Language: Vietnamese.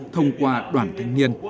thông qua đoàn thanh niên